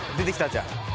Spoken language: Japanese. じゃあ。